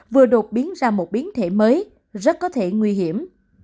vừa đột biến ra một biến thể mới rất có thể nguy hiểm